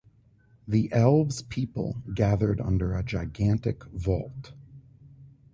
The elves' people gathered under a gigantic vault.